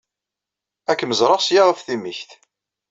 Ad kem-ẓreɣ seg-a ɣef timikt.